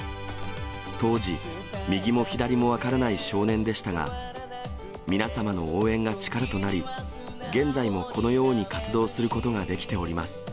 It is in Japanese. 当時、右も左も分からない少年でしたが、皆様の応援が力となり、現在もこのように活動することができております。